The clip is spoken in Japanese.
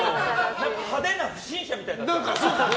派手な不審者みたいだったよ。